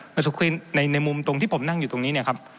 เมื่อสักครู่ในมุมตรงที่ผมนั่งอยู่ตรงนี้เนี่ยครับ